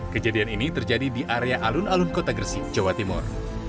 kejadian ini terjadi di area alun alun kota gresik jawa timur